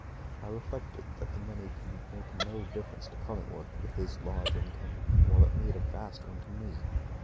I reflected that the money could make no difference to Cullingworth, with his large income, while it made a vast one to me.